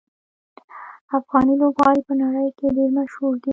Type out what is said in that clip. افغاني لوبغاړي په نړۍ کې ډېر مشهور دي.